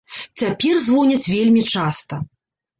Цяпер звоняць вельмі часта.